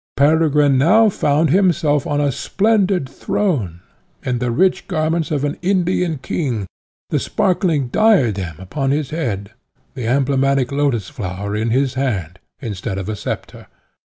Peregrine now found himself on a splendid throne, in the rich garments of an Indian king, the sparkling diadem upon his head, the emblematic lotus flower in his hand instead of a sceptre.